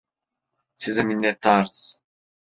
Size minnettarız.